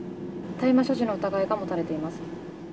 大麻所持の疑いが持たれています。